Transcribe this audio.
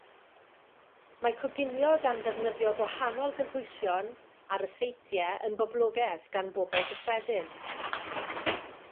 Mae coginio gan ddefnyddio gwahanol gynhwysion a ryseitiau yn boblogaidd gan bobl gyffredin